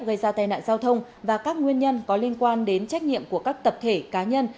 gây ra tai nạn giao thông và các nguyên nhân có liên quan đến trách nhiệm của các tập thể cá nhân